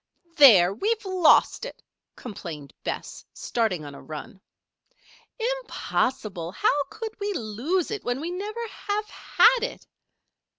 "There! we've lost it," complained Bess, starting on a run. "Impossible! How could we lose it when we never have had it?"